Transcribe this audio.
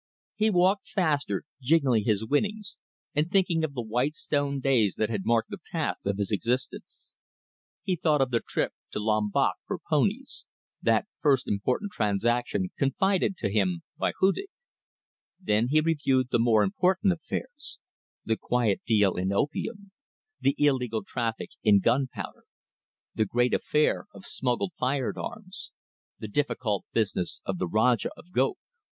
He walked faster, jingling his winnings, and thinking of the white stone days that had marked the path of his existence. He thought of the trip to Lombok for ponies that first important transaction confided to him by Hudig; then he reviewed the more important affairs: the quiet deal in opium; the illegal traffic in gunpowder; the great affair of smuggled firearms, the difficult business of the Rajah of Goak.